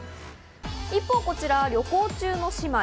一方こちら、旅行中の姉妹。